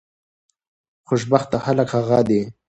خوشبخته خلک هغه دي